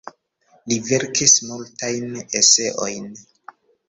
Li verkis multajn eseojn.